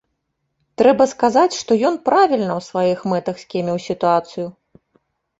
Трэба сказаць, што ён правільна ў сваіх мэтах скеміў сітуацыю.